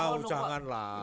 oh jangan lah